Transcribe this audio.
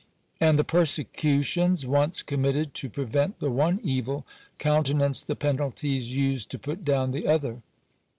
And the persecutions once committed to prevent the one evil, countenance the penalties used to put down the other.